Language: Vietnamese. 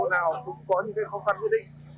những nạn nguồn hộ nào cũng có những cái khó khăn nhất định